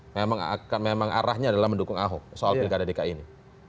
memang arahnya adalah mendukung ahok soal pilkada dki ini